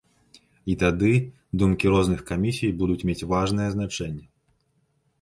І тады думкі розных камісій будуць мець важнае значэнне.